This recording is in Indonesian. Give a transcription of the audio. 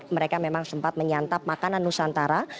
mereka memang sempat menyantap makanan nusantara